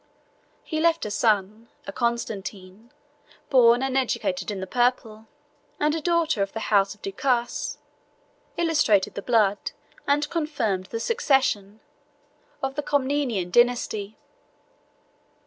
He left a son, a Constantine, born and educated in the purple; and a daughter of the house of Ducas illustrated the blood, and confirmed the succession, of the Comnenian dynasty.